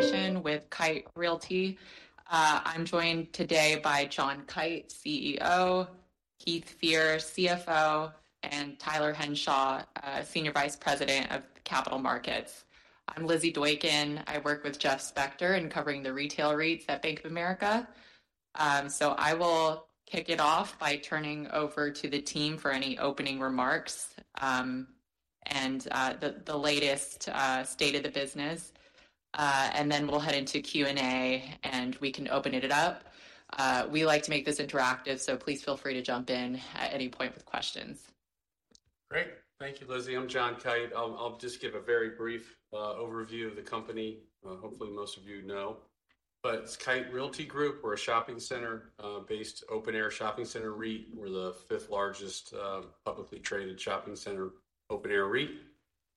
We're with Kite Realty. I'm joined today by John Kite, CEO; Heath Fear, CFO; and Tyler Henshaw, Senior Vice President of Capital Markets. I'm Lizzy Doykan. I work with Jeff Spector in covering the retail REITs at Bank of America. So I will kick it off by turning over to the team for any opening remarks, and the latest state of the business. And then we'll head into Q&A, and we can open it up. We like to make this interactive, so please feel free to jump in at any point with questions. Great. Thank you, Lizzy. I'm John Kite. I'll, I'll just give a very brief overview of the company. Hopefully, most of you know, but it's Kite Realty Group. We're a shopping center based open-air shopping center REIT. We're the fifth largest publicly traded shopping center open-air REIT.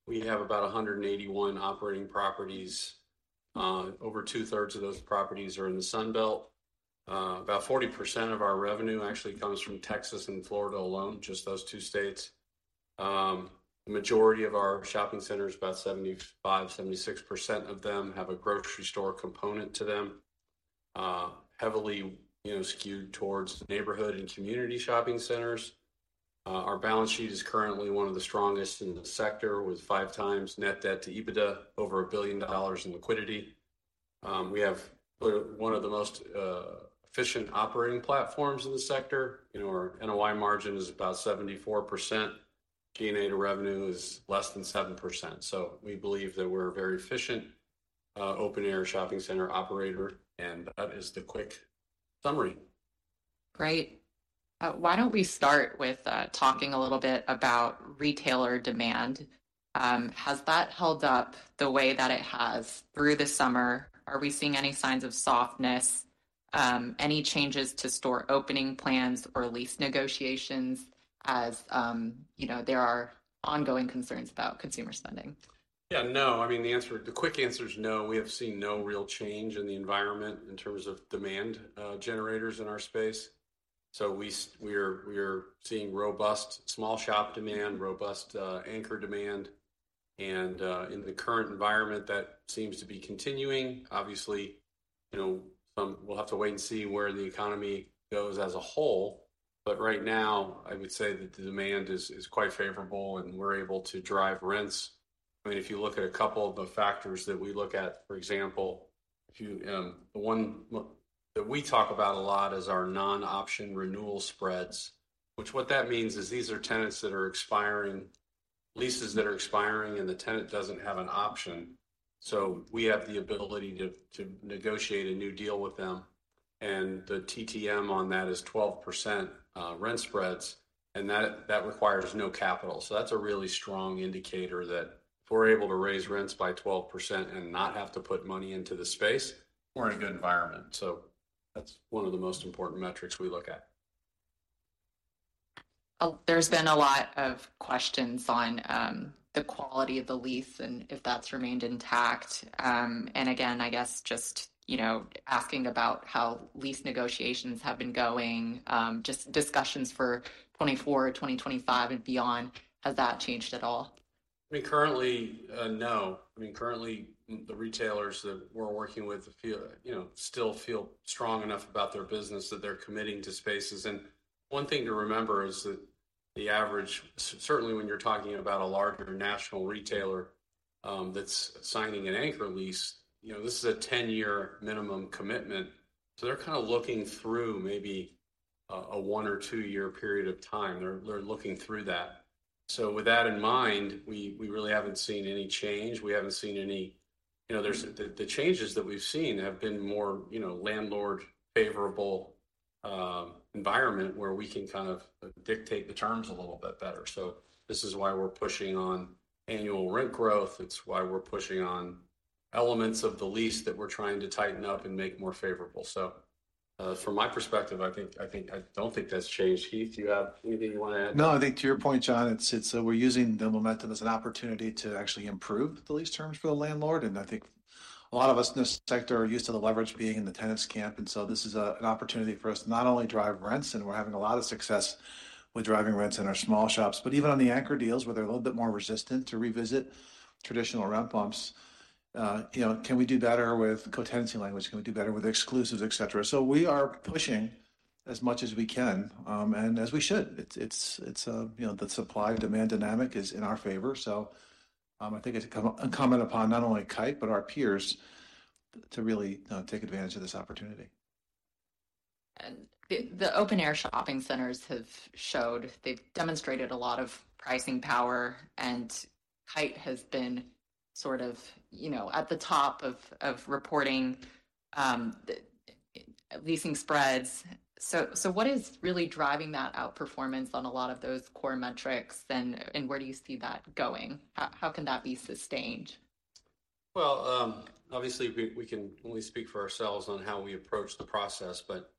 We have about 181 operating properties. Over two-thirds of those properties are in the Sun Belt. About 40% of our revenue actually comes from Texas and Florida alone, just those two states. Majority of our shopping centers, about 75%-76% of them have a grocery store component to them. Heavily, you know, skewed towards the neighborhood and community shopping centers. Our balance sheet is currently one of the strongest in the sector, with 5x net debt to EBITDA, over $1 billion in liquidity. We have one of the most efficient operating platforms in the sector. You know, our NOI margin is about 74%. G&A to revenue is less than 7%. So we believe that we're a very efficient open-air shopping center operator, and that is the quick summary. Great. Why don't we start with talking a little bit about retailer demand? Has that held up the way that it has through the summer? Are we seeing any signs of softness, any changes to store opening plans or lease negotiations as, you know, there are ongoing concerns about consumer spending? Yeah, no. I mean, the answer, the quick answer is no. We have seen no real change in the environment in terms of demand generators in our space. So we're seeing robust small shop demand, robust anchor demand, and in the current environment, that seems to be continuing. Obviously, you know, we'll have to wait and see where the economy goes as a whole, but right now, I would say that the demand is quite favorable and we're able to drive rents. I mean, if you look at a couple of the factors that we look at, for example, if you... That we talk about a lot is our non-option renewal spreads, which what that means is these are tenants that are expiring, leases that are expiring, and the tenant doesn't have an option, so we have the ability to negotiate a new deal with them, and the TTM on that is 12%, rent spreads, and that requires no capital. So that's a really strong indicator that if we're able to raise rents by 12% and not have to put money into the space, we're in a good environment. So that's one of the most important metrics we look at. There's been a lot of questions on the quality of the lease and if that's remained intact. And again, I guess just, you know, asking about how lease negotiations have been going, just discussions for 2024, 2025, and beyond. Has that changed at all? I mean, currently, no. I mean, currently, the retailers that we're working with feel you know still feel strong enough about their business that they're committing to spaces. And one thing to remember is that certainly when you're talking about a larger national retailer, that's signing an anchor lease, you know, this is a 10-year minimum commitment, so they're kind of looking through maybe a one or two-year period of time. They're looking through that. So with that in mind, we really haven't seen any change. We haven't seen any you know there's the changes that we've seen have been more you know landlord favorable environment, where we can kind of dictate the terms a little bit better. So this is why we're pushing on annual rent growth. It's why we're pushing on elements of the lease that we're trying to tighten up and make more favorable. So, from my perspective, I think, I think- I don't think that's changed. Heath, do you have anything you want to add? No, I think to your point, John, it's we're using the momentum as an opportunity to actually improve the lease terms for the landlord. And I think a lot of us in this sector are used to the leverage being in the tenant's camp, and so this is an opportunity for us to not only drive rents, and we're having a lot of success with driving rents in our small shops, but even on the anchor deals, where they're a little bit more resistant to revisit traditional rent bumps. You know, can we do better with co-tenancy language? Can we do better with exclusives, et cetera? So we are pushing as much as we can, and as we should. It's you know, the supply-demand dynamic is in our favor, so I think it's a comment upon not only Kite, but our peers, to really take advantage of this opportunity. The open-air shopping centers have showed, they've demonstrated a lot of pricing power, and Kite has been sort of, you know, at the top of reporting the leasing spreads. So what is really driving that outperformance on a lot of those core metrics, and where do you see that going? How can that be sustained? Well, obviously, we can only speak for ourselves on how we approach the process, but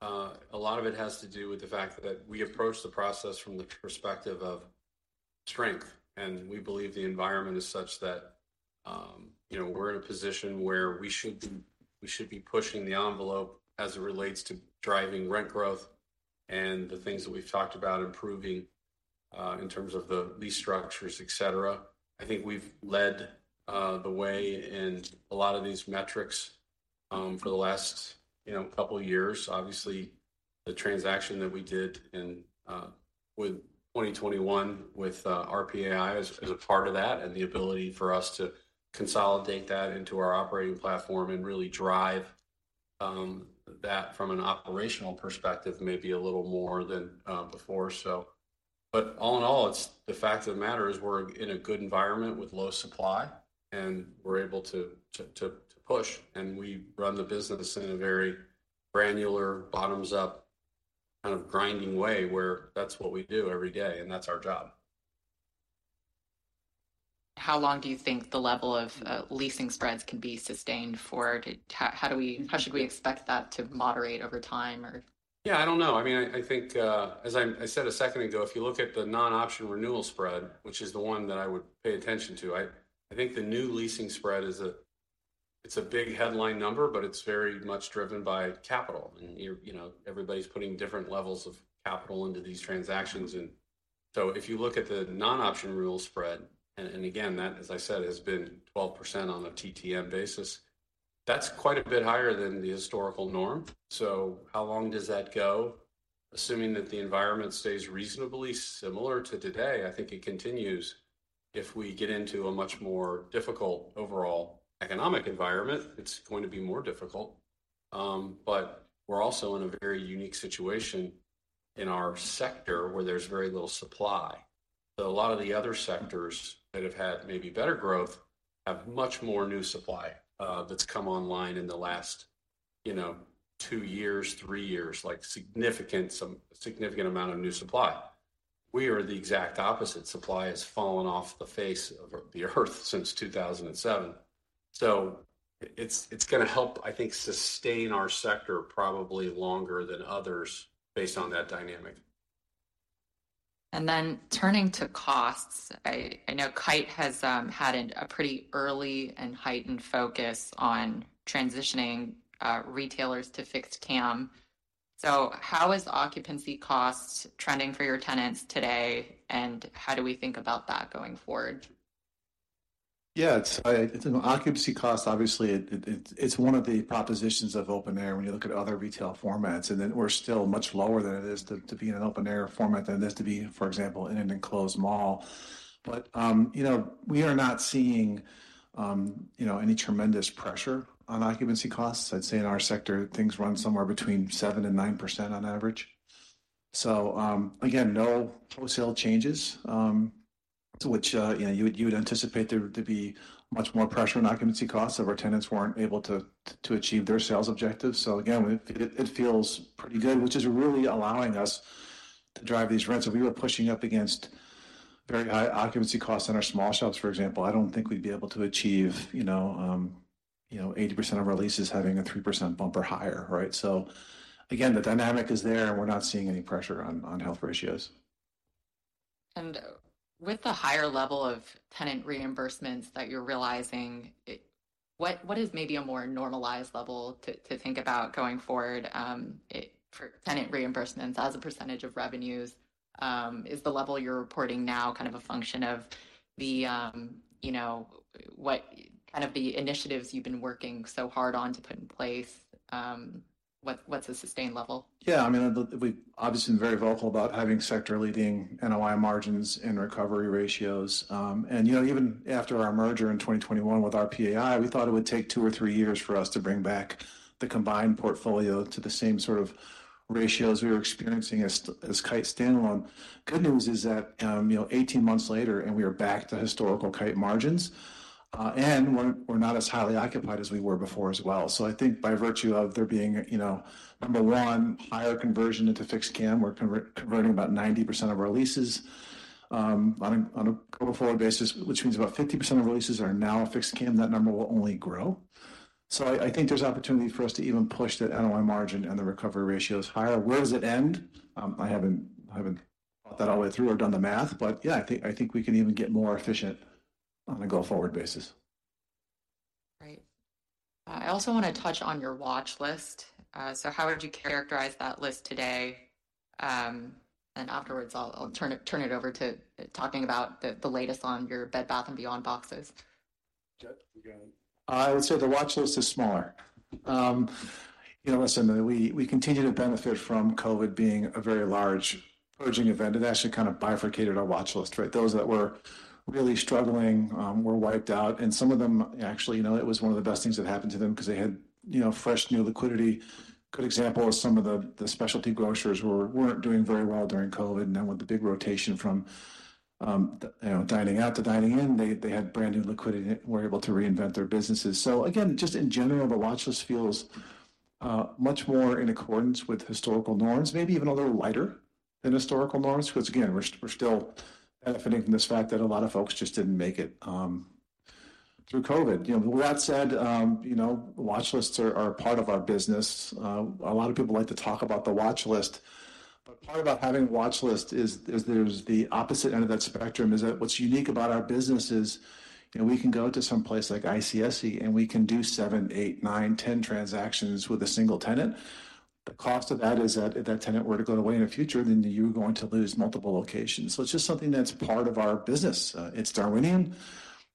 a lot of it has to do with the fact that we approach the process from the perspective of strength, and we believe the environment is such that, you know, we're in a position where we should be pushing the envelope as it relates to driving rent growth and the things that we've talked about improving. In terms of the lease structures, et cetera. I think we've led the way in a lot of these metrics for the last, you know, couple of years. Obviously, the transaction that we did in with 2021 with RPAI is a part of that, and the ability for us to consolidate that into our operating platform and really drive that from an operational perspective, maybe a little more than before, so. But all in all, it's the fact of the matter is we're in a good environment with low supply, and we're able to push, and we run the business in a very granular, bottoms-up, kind of grinding way, where that's what we do every day, and that's our job. How long do you think the level of leasing spreads can be sustained for? How should we expect that to moderate over time, or? Yeah, I don't know. I mean, I think, as I said a second ago, if you look at the non-option renewal spread, which is the one that I would pay attention to, I think the new leasing spread is—it's a big headline number, but it's very much driven by capital. And, you know, everybody's putting different levels of capital into these transactions. And so, if you look at the non-option renewal spread, and again, that, as I said, has been 12% on a TTM basis, that's quite a bit higher than the historical norm. So how long does that go? Assuming that the environment stays reasonably similar to today, I think it continues. If we get into a much more difficult overall economic environment, it's going to be more difficult. But we're also in a very unique situation in our sector where there's very little supply. So a lot of the other sectors that have had maybe better growth have much more new supply that's come online in the last, you know, two years, three years, like some significant amount of new supply. We are the exact opposite. Supply has fallen off the face of the Earth since 2007. So it's gonna help, I think, sustain our sector probably longer than others based on that dynamic. And then turning to costs, I know Kite has had a pretty early and heightened focus on transitioning retailers to fixed CAM. So how is occupancy costs trending for your tenants today, and how do we think about that going forward? Yeah, it's an occupancy cost. Obviously, it's one of the propositions of open air when you look at other retail formats. And then we're still much lower than it is to be in an open air format than it is to be, for example, in an enclosed mall. But, you know, we are not seeing, you know, any tremendous pressure on occupancy costs. I'd say in our sector, things run somewhere between 7%-9% on average. So, again, no wholesale changes to which, you know, you would anticipate there to be much more pressure on occupancy costs if our tenants weren't able to achieve their sales objectives. So again, it feels pretty good, which is really allowing us to drive these rents. If we were pushing up against very high occupancy costs in our small shops, for example, I don't think we'd be able to achieve, you know, you know, 80% of our leases having a 3% bump or higher, right? So again, the dynamic is there, and we're not seeing any pressure on health ratios. With the higher level of tenant reimbursements that you're realizing, what is maybe a more normalized level to think about going forward for tenant reimbursements as a % of revenues? Is the level you're reporting now kind of a function of the, you know, what kind of the initiatives you've been working so hard on to put in place? What's a sustained level? Yeah, I mean, we've obviously been very vocal about having sector-leading NOI margins and recovery ratios. And, you know, even after our merger in 2021 with RPAI, we thought it would take two or three years for us to bring back the combined portfolio to the same sort of ratios we were experiencing as Kite standalone. Good news is that, you know, 18 months later, and we are back to historical Kite margins, and we're not as highly occupied as we were before as well. So I think by virtue of there being, you know, number one, higher conversion into fixed CAM, we're converting about 90% of our leases on a go-forward basis, which means about 50% of our leases are now a fixed CAM. That number will only grow. So I think there's opportunity for us to even push that NOI margin and the recovery ratios higher. Where does it end? I haven't thought that all the way through or done the math, but yeah, I think we can even get more efficient on a go-forward basis. Right. I also want to touch on your watch list. So how would you characterize that list today? And afterwards, I'll turn it over to talking about the latest on your Bed Bath & Beyond boxes. Heath, you got it. I would say the watchlist is smaller. You know, listen, we, we continue to benefit from COVID being a very large purging event. It actually kind of bifurcated our watchlist, right? Those that were really struggling were wiped out, and some of them, actually, you know, it was one of the best things that happened to them because they had, you know, fresh, new liquidity. Good example is some of the specialty grocers weren't doing very well during COVID, and now with the big rotation from, you know, dining out to dining in, they, they had brand-new liquidity and were able to reinvent their businesses. So again, just in general, the watchlist feels much more in accordance with historical norms, maybe even a little lighter than historical norms. Because, again, we're still benefiting from this fact that a lot of folks just didn't make it through COVID. You know, with that said, you know, watchlists are a part of our business. A lot of people like to talk about the watchlist, but part about having a watchlist is there's the opposite end of that spectrum, that what's unique about our business is, you know, we can go to someplace like ICSC, and we can do seven, eight, nine, 10 transactions with a single tenant. The cost of that is that if that tenant were to go away in the future, then you're going to lose multiple locations. So it's just something that's part of our business. It's Darwinian.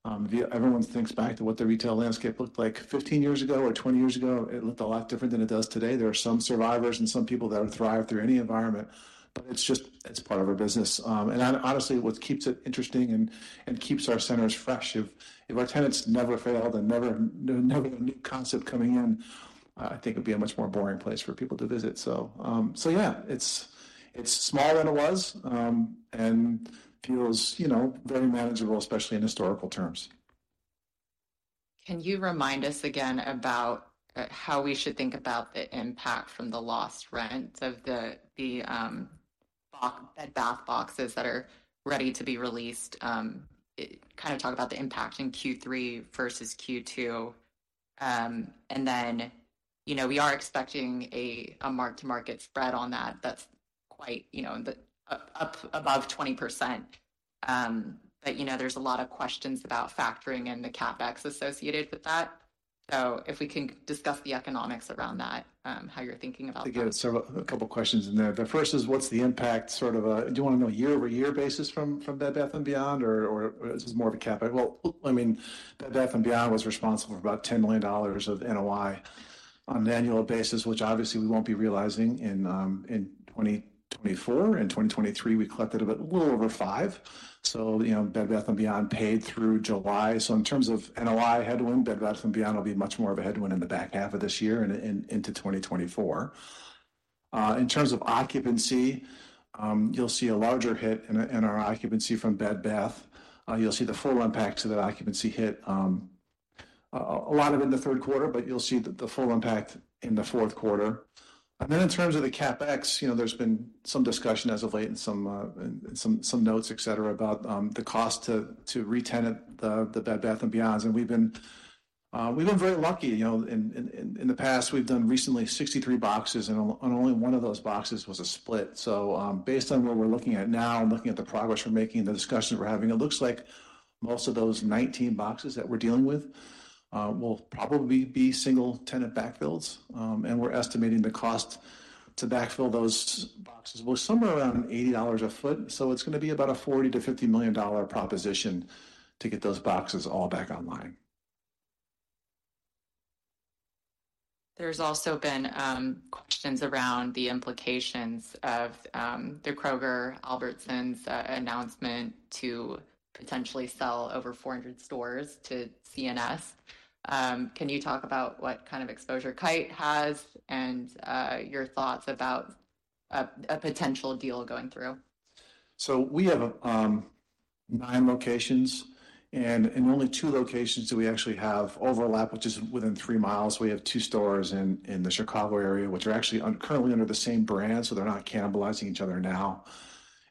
If everyone thinks back to what the retail landscape looked like 15 years ago or 20 years ago, it looked a lot different than it does today. There are some survivors and some people that have thrived through any environment, but it's just, it's part of our business. And honestly, what keeps it interesting and keeps our centers fresh, if our tenants never failed and there was never a new concept coming in, I think it would be a much more boring place for people to visit. So yeah, it's smaller than it was and feels, you know, very manageable, especially in historical terms. Can you remind us again about how we should think about the impact from the lost rents of the box, Bed Bath & Beyond boxes that are ready to be released? Kind of talk about the impact in Q3 versus Q2. And then, we are expecting a mark-to-market spread on that that's up above 20%. But there's a lot of questions about factoring and the CapEx associated with that. So if we can discuss the economics around that, how you're thinking about that. I think there are several- a couple of questions in there, but first is, what's the impact? Sort of, do you want to know year-over-year basis from, from Bed Bath & Beyond, or, or this is more of a CapEx? Well, I mean, Bed Bath & Beyond was responsible for about $10 million of NOI on an annual basis, which obviously we won't be realizing in, in 2024. In 2023, we collected about a little over $5 million. So, you know, Bed Bath & Beyond paid through July. So in terms of NOI headwind, Bed Bath & Beyond will be much more of a headwind in the back half of this year and into 2024. In terms of occupancy, you'll see a larger hit in our, in our occupancy from Bed Bath. You'll see the full impact of that occupancy hit, a lot of it in the third quarter, but you'll see the full impact in the fourth quarter. And then in terms of the CapEx, you know, there's been some discussion as of late and some notes, etc., about the cost to retenant the Bed Bath & Beyonds. And we've been very lucky, you know, in the past, we've done recently 63 boxes, and only one of those boxes was a split. So, based on what we're looking at now and looking at the progress we're making and the discussions we're having, it looks like most of those 19 boxes that we're dealing with will probably be single-tenant backfills. and we're estimating the cost to backfill those boxes was somewhere around $80 a foot, so it's going to be about a $40 million-$50 million proposition to get those boxes all back online. There's also been questions around the implications of the Kroger, Albertsons announcement to potentially sell over 400 stores to C&S. Can you talk about what kind of exposure Kite has and your thoughts about a potential deal going through? So we have nine locations and only two locations that we actually have overlap, which is within three miles. We have two stores in the Chicago area, which are actually currently under the same brand, so they're not cannibalizing each other now,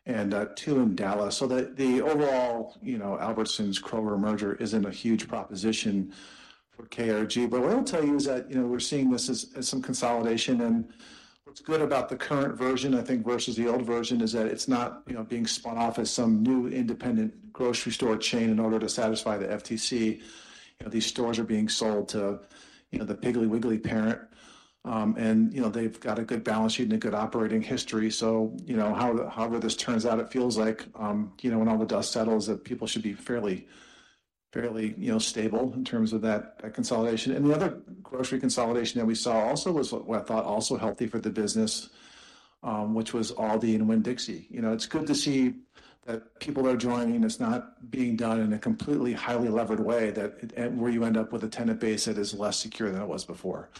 and two in Dallas. So the overall, you know, Albertsons-Kroger merger isn't a huge proposition for KRG. But what I'll tell you is that, you know, we're seeing this as some consolidation. And what's good about the current version, I think, versus the old version, is that it's not, you know, being spun off as some new independent grocery store chain in order to satisfy the FTC. You know, these stores are being sold to, you know, the Piggly Wiggly parent, and, you know, they've got a good balance sheet and a good operating history. So, you know, however this turns out, it feels like, you know, when all the dust settles, that people should be fairly, fairly, you know, stable in terms of that, that consolidation. And the other grocery consolidation that we saw also was what I thought also healthy for the business, which was Aldi and Winn-Dixie. You know, it's good to see that people are joining. It's not being done in a completely highly levered way, that- where you end up with a tenant base that is less secure than it was before.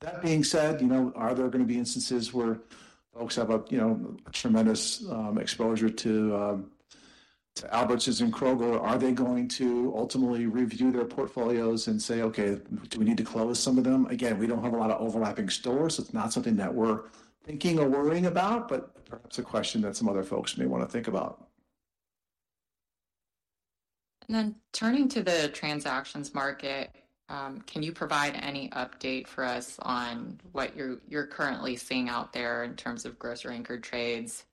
That being said, you know, are there going to be instances where folks have a, you know, tremendous, exposure to, to Albertsons and Kroger? Are they going to ultimately review their portfolios and say, "Okay, do we need to close some of them again?" We don't have a lot of overlapping stores, so it's not something that we're thinking or worrying about, but perhaps a question that some other folks may want to think about. Then turning to the transactions market, can you provide any update for us on what you're currently seeing out there in terms of grocery anchor trades?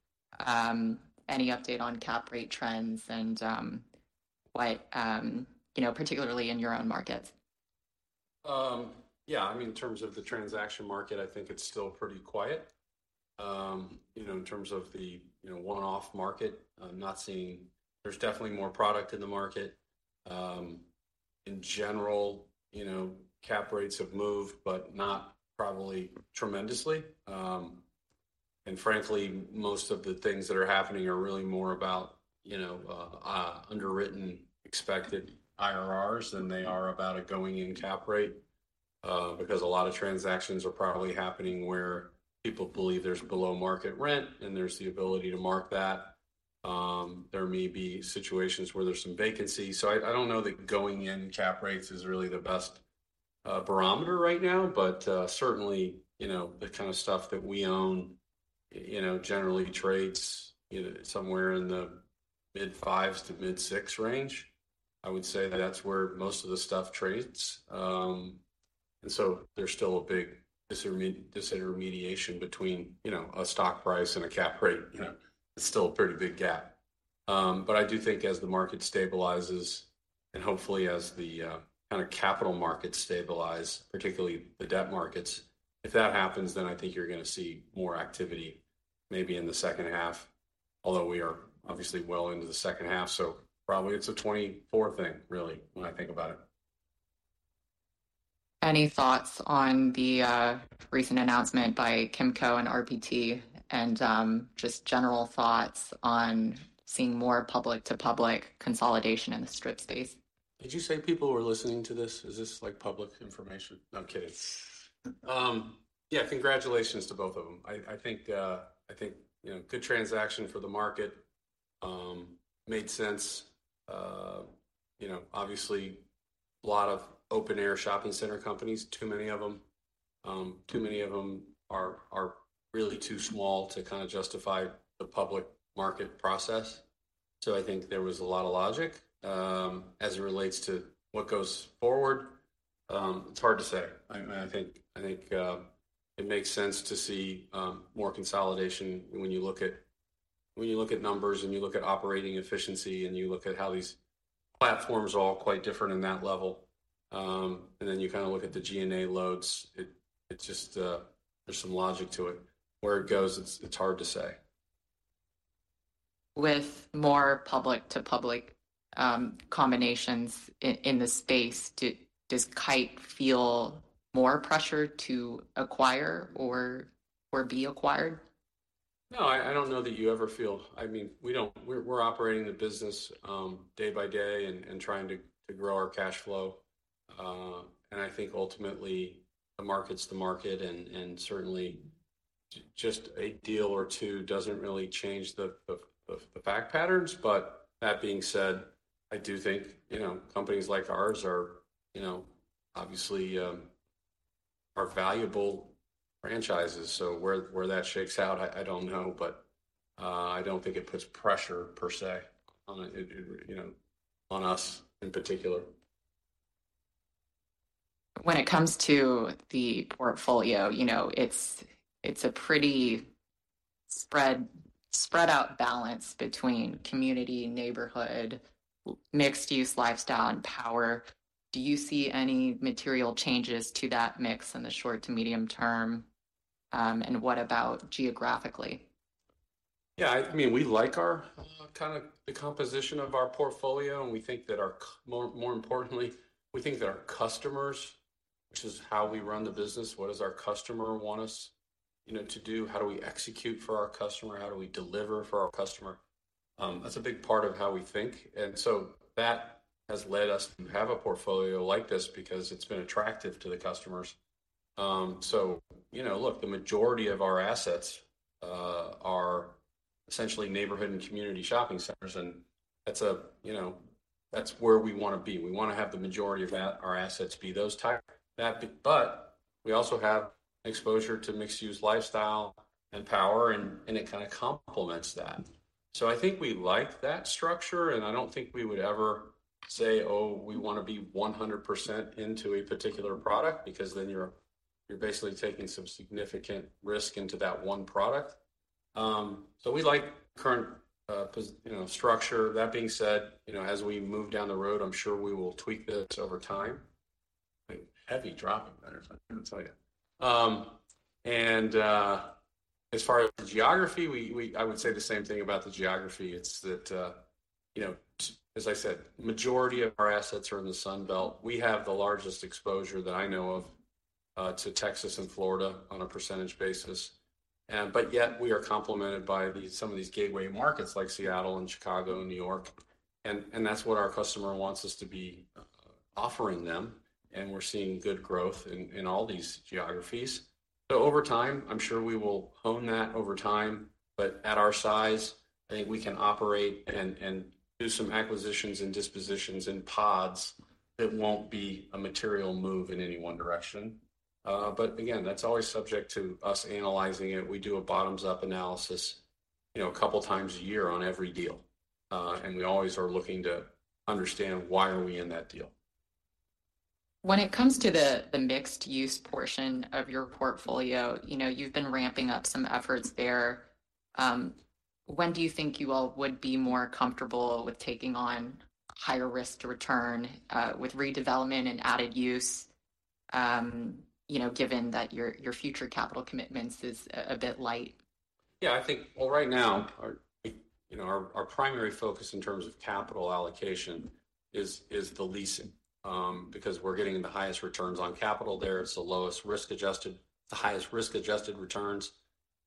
Any update on cap rate trends and, you know, particularly in your own markets? Yeah, I mean, in terms of the transaction market, I think it's still pretty quiet. You know, in terms of the, you know, one-off market, I'm not seeing... There's definitely more product in the market. In general, you know, cap rates have moved, but not probably tremendously. And frankly, most of the things that are happening are really more about, you know, underwritten expected IRRs than they are about a going-in cap rate. Because a lot of transactions are probably happening where people believe there's below-market rent, and there's the ability to mark that. There may be situations where there's some vacancy. So I don't know that going in cap rates is really the best barometer right now. But, certainly, you know, the kind of stuff that we own, you know, generally trades, you know, somewhere in the mid-fives to mid-six range. I would say that's where most of the stuff trades. And so there's still a big disintermediation between, you know, a stock price and a cap rate. You know, it's still a pretty big gap.... But I do think as the market stabilizes and hopefully as the kind of capital markets stabilize, particularly the debt markets, if that happens, then I think you're gonna see more activity maybe in the second half. Although we are obviously well into the second half, so probably it's a 2024 thing really, when I think about it. Any thoughts on the recent announcement by Kimco and RPT? And just general thoughts on seeing more public to public consolidation in the strip space. Did you say people were listening to this? Is this, like, public information? No, I'm kidding. Yeah, congratulations to both of them. I think, you know, good transaction for the market, made sense. You know, obviously, a lot of open-air shopping center companies, too many of them, too many of them are really too small to kind of justify the public market process. So I think there was a lot of logic. As it relates to what goes forward, it's hard to say. I think it makes sense to see more consolidation when you look at numbers and you look at operating efficiency, and you look at how these platforms are all quite different in that level. And then you kind of look at the G&A loads, it's just, there's some logic to it. Where it goes, it's hard to say. With more public to public combinations in the space, does Kite feel more pressure to acquire or be acquired? No, I don't know that you ever feel... I mean, we don't, we're operating the business day by day and trying to grow our cash flow. And I think ultimately the market's the market, and certainly just a deal or two doesn't really change the fact patterns. But that being said, I do think, you know, companies like ours are, you know, obviously, are valuable franchises. So where that shakes out, I don't know, but I don't think it puts pressure per se, on, you know, on us in particular. When it comes to the portfolio, you know, it's a pretty spread out balance between community, neighborhood, mixed use, lifestyle, and power. Do you see any material changes to that mix in the short to medium term? And what about geographically? Yeah, I mean, we like our kind of the composition of our portfolio, and we think that our—more importantly, we think that our customers, which is how we run the business, what does our customer want us, you know, to do? How do we execute for our customer? How do we deliver for our customer? That's a big part of how we think. And so that has led us to have a portfolio like this, because it's been attractive to the customers. So, you know, look, the majority of our assets are essentially neighborhood and community shopping centers, and that's... You know, that's where we want to be. We want to have the majority of our assets be those type. That, but we also have exposure to mixed-use lifestyle and power, and it kind of complements that. So I think we like that structure, and I don't think we would ever say, "Oh, we want to be 100% into a particular product," because then you're basically taking some significant risk into that one product. So we like current, you know, structure. That being said, you know, as we move down the road, I'm sure we will tweak this over time. Like, heavy dropping, I tell you. And, as far as the geography, we—I would say the same thing about the geography. It's that, you know, as I said, majority of our assets are in the Sun Belt. We have the largest exposure that I know of to Texas and Florida on a percentage basis. But yet we are complemented by some of these gateway markets, like Seattle and Chicago and New York, and that's what our customer wants us to be, offering them, and we're seeing good growth in all these geographies. So over time, I'm sure we will hone that over time, but at our size, I think we can operate and do some acquisitions and dispositions in pods that won't be a material move in any one direction. But again, that's always subject to us analyzing it. We do a bottoms-up analysis, you know, a couple of times a year on every deal. And we always are looking to understand why are we in that deal. When it comes to the mixed-use portion of your portfolio, you know, you've been ramping up some efforts there. When do you think you all would be more comfortable with taking on higher risk to return with redevelopment and mixed-use, you know, given that your future capital commitments is a bit light? Yeah, I think... Well, right now, our, you know, our, our primary focus in terms of capital allocation is, is the leasing. Because we're getting the highest returns on capital there, it's the lowest risk-adjusted-- the highest risk-adjusted returns.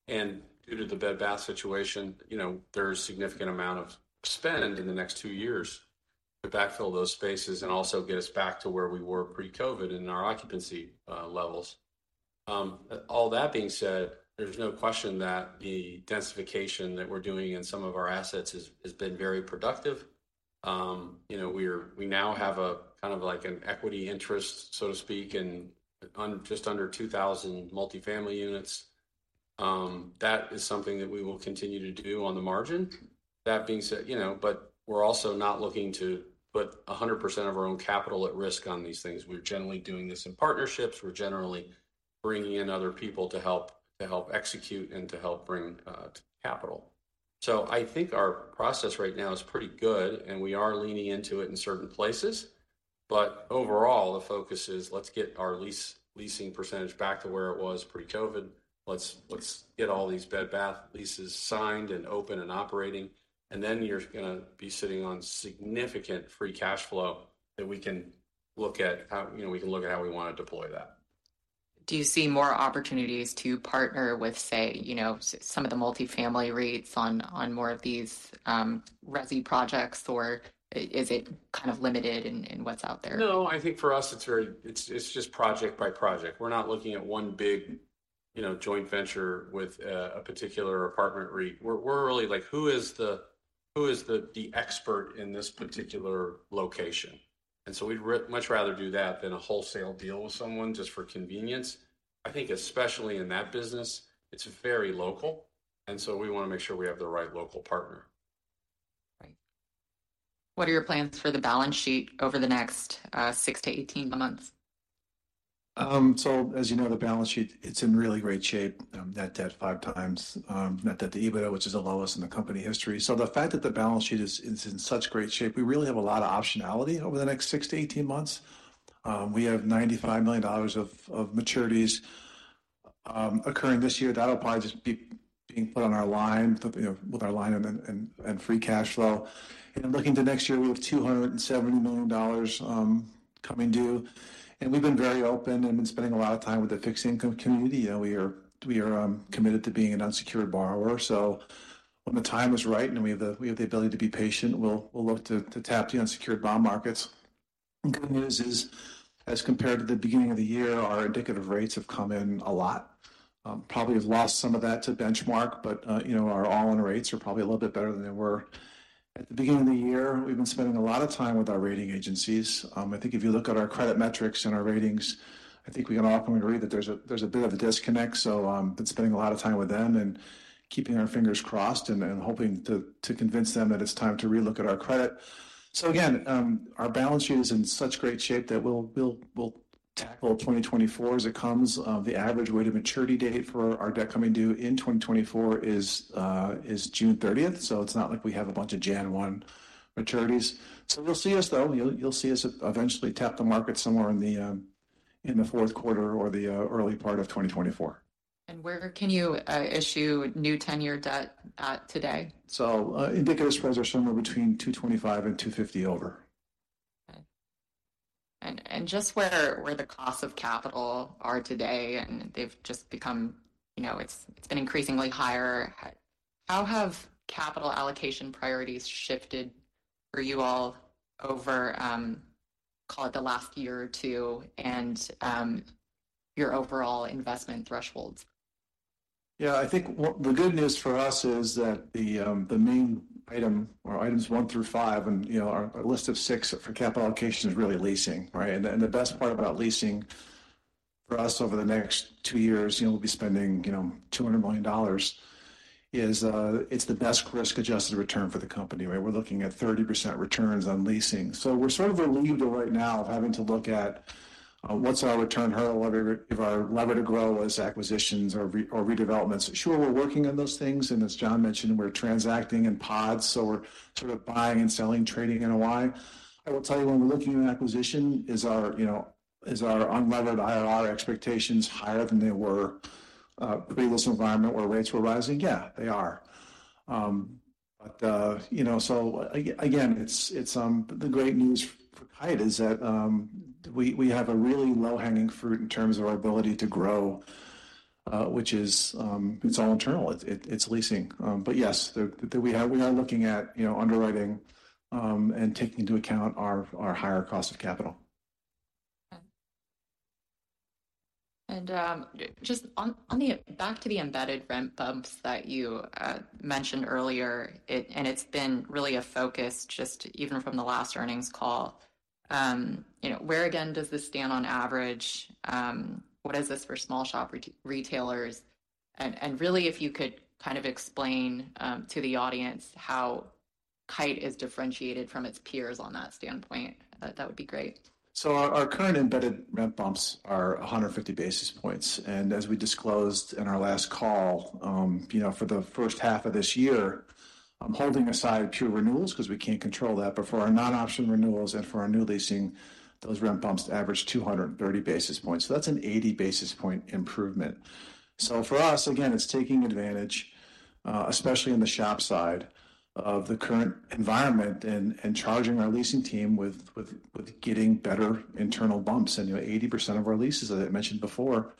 And due to the Bed Bath situation, you know, there's significant amount of spend in the next two years to backfill those spaces and also get us back to where we were pre-COVID in our occupancy, levels. All that being said, there's no question that the densification that we're doing in some of our assets has, has been very productive. You know, we're- we now have a kind of like an equity interest, so to speak, in under, just under 2,000 multifamily units. That is something that we will continue to do on the margin. That being said, you know, but we're also not looking to put 100% of our own capital at risk on these things. We're generally doing this in partnerships. We're generally bringing in other people to help execute and to help bring capital. So I think our process right now is pretty good, and we are leaning into it in certain places. But overall, the focus is let's get our leasing percentage back to where it was pre-COVID. Let's get all these Bed Bath leases signed and open and operating, and then you're gonna be sitting on significant free cash flow that we can look at how, you know, we can look at how we wanna deploy that. Do you see more opportunities to partner with, say, you know, some of the multifamily REITs on more of these resi projects, or is it kind of limited in what's out there? No, I think for us it's very, it's just project by project. We're not looking at one big, you know, joint venture with a particular apartment REIT. We're really like, who is the expert in this particular location? And so we'd much rather do that than a wholesale deal with someone just for convenience. I think especially in that business, it's very local, and so we wanna make sure we have the right local partner. Right. What are your plans for the balance sheet over the next, 6-18 months? So as you know, the balance sheet, it's in really great shape. Net debt 5x net debt to EBITDA, which is the lowest in the company history. So the fact that the balance sheet is in such great shape, we really have a lot of optionality over the next six to 18 months. We have $95 million of maturities occurring this year. That'll probably just be being put on our line, with, you know, with our line and then free cash flow. And then looking to next year, we have $270 million coming due. And we've been very open and been spending a lot of time with the fixed income community. You know, we are committed to being an unsecured borrower, so when the time is right, and we have the ability to be patient, we'll look to tap the unsecured bond markets. The good news is, as compared to the beginning of the year, our indicative rates have come in a lot. Probably have lost some of that to benchmark, but, you know, our all-in rates are probably a little bit better than they were at the beginning of the year. We've been spending a lot of time with our rating agencies. I think if you look at our credit metrics and our ratings, I think we can all come and agree that there's a bit of a disconnect, so, been spending a lot of time with them and keeping our fingers crossed and hoping to convince them that it's time to relook at our credit. So again, our balance sheet is in such great shape that we'll tackle 2024 as it comes. The average weighted maturity date for our debt coming due in 2024 is June thirtieth, so it's not like we have a bunch of January 1 maturities. So you'll see us, though. You'll see us eventually tap the market somewhere in the fourth quarter or the early part of 2024. Where can you issue new senior debt at today? So, indicative spreads are somewhere between 225 and 250 over. Okay. And just where the costs of capital are today, and they've just become... You know, it's been increasingly higher. How have capital allocation priorities shifted for you all over, call it the last year or two, and your overall investment thresholds? Yeah, I think what the good news for us is that the main item or items one through five, and, you know, our list of six for capital allocation is really leasing, right? And the best part about leasing for us over the next two years, you know, we'll be spending $200 million, is it's the best risk-adjusted return for the company, right? We're looking at 30% returns on leasing. So we're sort of relieved right now of having to look at what's our return hurdle, whether if our lever to grow is acquisitions or re- or redevelopments. Sure, we're working on those things, and as John mentioned, we're transacting in pods, so we're sort of buying and selling, trading in a way. I will tell you, when we're looking at acquisition, is our, you know, is our unlevered IRR expectations higher than they were, previous environment where rates were rising? Yeah, they are. But, you know, so again, it's the great news for Kite is that we have a really low-hanging fruit in terms of our ability to grow, which is, it's all internal. It's leasing. But yes, we are looking at, you know, underwriting and taking into account our higher cost of capital. Just on the back to the embedded rent bumps that you mentioned earlier, and it's been really a focus just even from the last earnings call. You know, where again does this stand on average? What is this for small shop retailers? And really, if you could kind of explain to the audience how Kite is differentiated from its peers on that standpoint, that would be great. So our current embedded rent bumps are 150 basis points. And as we disclosed in our last call, you know, for the first half of this year, holding aside pure renewals, 'cause we can't control that, but for our non-option renewals and for our new leasing, those rent bumps average 230 basis points. So that's an 80 basis point improvement. So for us, again, it's taking advantage, especially in the shop side of the current environment and charging our leasing team with getting better internal bumps. And, you know, 80% of our leases, as I mentioned before,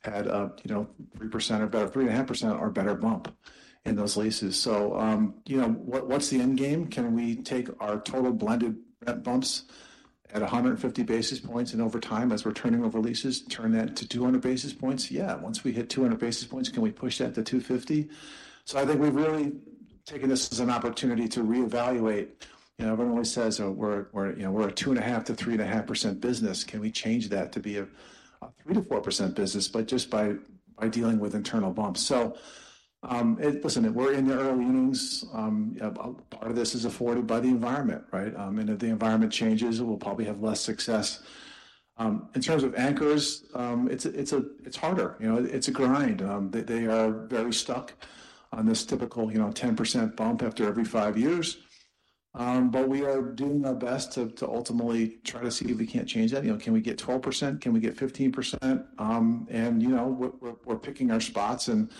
had a, you know, 3% or better, 3.5% or better bump in those leases. So, you know, what, what's the end game? Can we take our total blended rent bumps at 150 basis points, and over time, as we're turning over leases, turn that to 200 basis points? Yeah. Once we hit 200 basis points, can we push that to 250? So I think we've really taken this as an opportunity to reevaluate. You know, everyone always says, "Oh, we're, we're, you know, we're a 2.5%-3.5% business. Can we change that to be a 3%-4% business, but just by dealing with internal bumps?" So, it, listen, we're in the early innings, a part of this is afforded by the environment, right? And if the environment changes, it will probably have less success. In terms of anchors, it's harder, you know, it's a grind. They are very stuck on this typical, you know, 10% bump after every five years. But we are doing our best to ultimately try to see if we can't change that. You know, can we get 12%? Can we get 15%? And, you know, we're picking our spots, and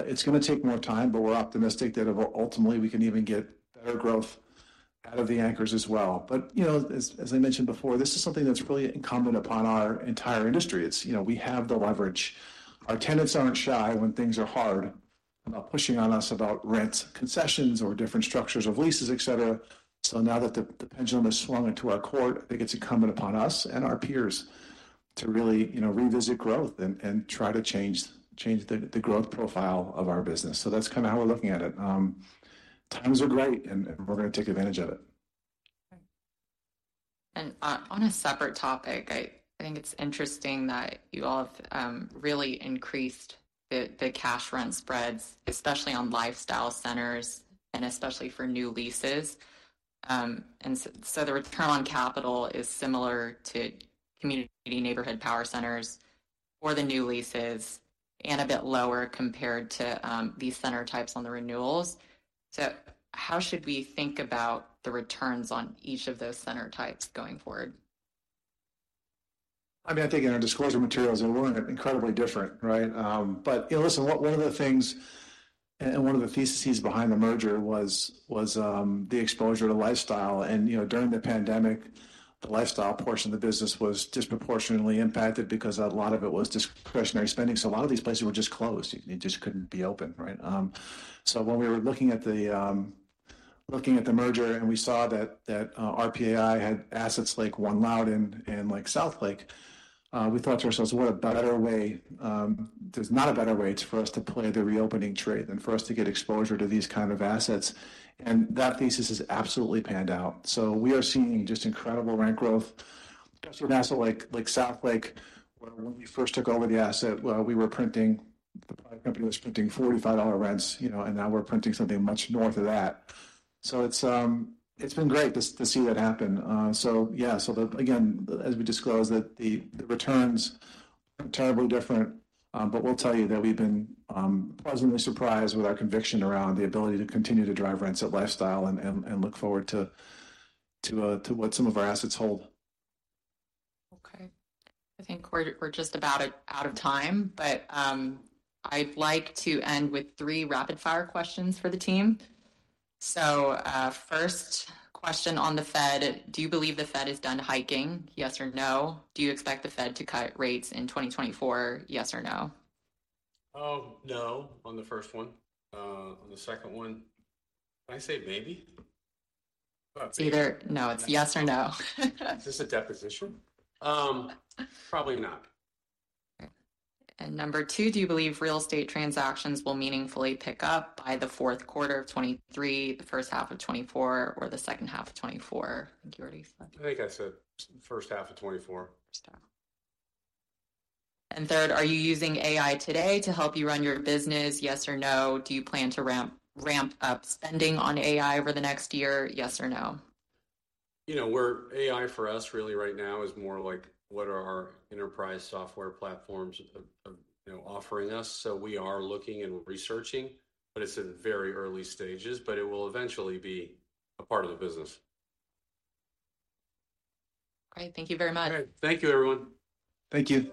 it's gonna take more time, but we're optimistic that eventually, ultimately, we can even get better growth out of the anchors as well. But, you know, as I mentioned before, this is something that's really incumbent upon our entire industry. It's, you know, we have the leverage. Our tenants aren't shy when things are hard about pushing on us about rent concessions or different structures of leases, et cetera. So now that the pendulum has swung into our court, I think it's incumbent upon us and our peers to really, you know, revisit growth and try to change the growth profile of our business. So that's kinda how we're looking at it. Times are great, and we're gonna take advantage of it. On a separate topic, I think it's interesting that you all have really increased the cash rent spreads, especially on lifestyle centers and especially for new leases. So the return on capital is similar to community neighborhood power centers for the new leases and a bit lower compared to the center types on the renewals. How should we think about the returns on each of those center types going forward? I mean, I think in our disclosure materials, they're really incredibly different, right? But, you know, listen, one of the things and one of the theses behind the merger was the exposure to lifestyle. And, you know, during the pandemic, the lifestyle portion of the business was disproportionately impacted because a lot of it was discretionary spending, so a lot of these places were just closed. They just couldn't be open, right? So when we were looking at the merger, and we saw that RPAI had assets like One Loudoun and Southlake Town Square, we thought to ourselves, "What a better way... There's not a better way for us to play the reopening trade than for us to get exposure to these kind of assets." And that thesis has absolutely panned out. So we are seeing just incredible rent growth. For an asset like Southlake, when we first took over the asset, well, the private company was printing $45 rents, you know, and now we're printing something much north of that. So it's been great to see that happen. So yeah. Again, as we disclose, that the returns are terribly different. But we'll tell you that we've been pleasantly surprised with our conviction around the ability to continue to drive rents at lifestyle and look forward to what some of our assets hold. Okay. I think we're just about out of time, but, I'd like to end with three rapid-fire questions for the team. So, first question on the Fed: Do you believe the Fed is done hiking, yes or no? Do you expect the Fed to cut rates in 2024, yes or no? No, on the first one. On the second one, can I say maybe? It's either... No, it's yes or no. Is this a deposition? Probably not. Okay. Number two: Do you believe real estate transactions will meaningfully pick up by the fourth quarter of 2023, the first half of 2024, or the second half of 2024? I think you already said. I think I said first half of 2024. First half. And third: Are you using AI today to help you run your business, yes or no? Do you plan to ramp, ramp up spending on AI over the next year, yes or no? You know, we're AI for us, really, right now, is more like, what are our enterprise software platforms, you know, offering us? So we are looking and researching, but it's in very early stages, but it will eventually be a part of the business. Great. Thank you very much. Thank you, everyone. Thank you.